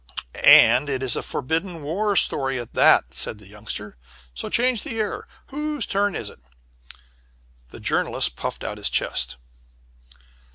"And a forbidden war story, at that," said the Youngster. "So to change the air whose turn is it?" The Journalist puffed out his chest.